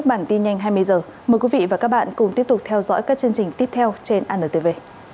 chúc bạn tin nhanh hai mươi h mời quý vị và các bạn cùng tiếp tục theo dõi các chương trình tiếp theo trên anntv